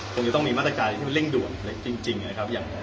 คงจะต้องมีมาตรการที่มันเร่งด่วนเล็กจริงนะครับ